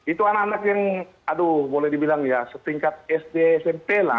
itu anak anak yang aduh boleh dibilang ya setingkat sd smp lah